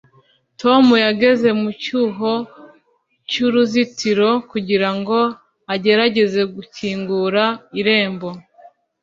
tom yageze mu cyuho cyuruzitiro kugirango agerageze gukingura irembo